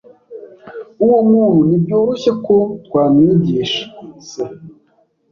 Uwo muntu ntibyoroshye ko twamwigishas